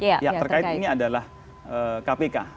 pihak terkait ini adalah kpk